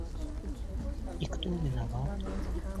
И кто виноват?